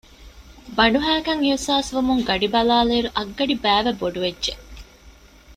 ބަނޑުހައިކަން އިޙްސާސްވުމުން ގަޑިބަލާލިއިރު އަށްގަޑިބައިވެ ބޮޑުވެއްޖެ